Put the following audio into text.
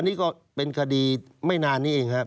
นี่ก็เป็นคดีไม่นานนี้เองครับ